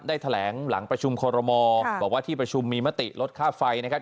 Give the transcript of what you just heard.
แถลงหลังประชุมคอรมอบอกว่าที่ประชุมมีมติลดค่าไฟนะครับ